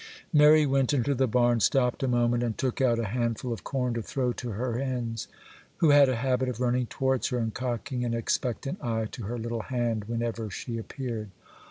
Mary went into the barn, stopped a moment, and took out a handful of corn to throw to her hens, who had a habit of running towards her and cocking an expectant eye to her little hand whenever she appeared.